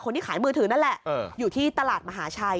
ที่ขายมือถือนั่นแหละอยู่ที่ตลาดมหาชัย